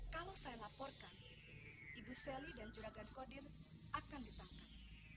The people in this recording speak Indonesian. kalau saya laporkan ibu selly dan juragan kodir akan ditangkap